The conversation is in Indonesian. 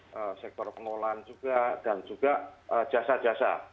kemudian sektor pertanian sektor pengolahan juga dan juga jasa jasa